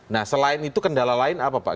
nah selain itu kendala lain apa pak